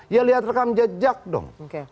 ya lihat rekam jejak dong